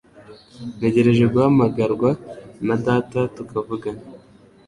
Ntegereje guhamagarwa na data tukavugana.